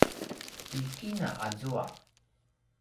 ti kina azua